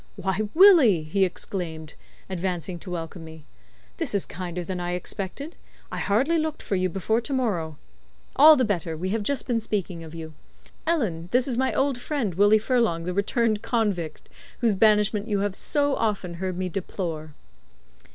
"Why, Willie," he exclaimed, advancing to welcome me, "this is kinder than I expected. I hardly looked for you before to morrow. All the better; we have just been speaking of you. Ellen, this is my old friend, Willie Furlong, the returned convict, whose banishment you have so often heard me deplore."